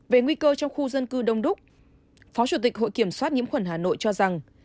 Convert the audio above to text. về nguy cơ trong khu dân cư đông đúc phó chủ tịch hội kiểm soát nhiễm khuẩn hà nội cho rằng